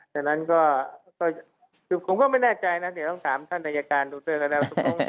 ฉะนั้นก็ผมก็ไม่แน่ใจนะเดี๋ยวต้องถามท่านนัยการดูเติม